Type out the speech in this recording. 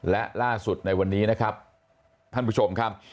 และล่าสุดในวันนี้นะครับท่านผู้ชมครับ